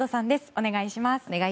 お願いします。